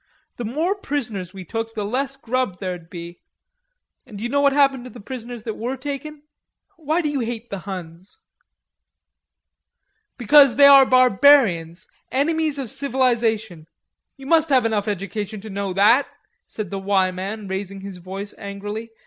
The more prisoners we took, the less grub there'ld be; and do you know what happened to the prisoners that were taken? Why do you hate the Huns?" "Because they are barbarians, enemies of civilization. You must have enough education to know that," said the "Y" man, raising his voice angrily.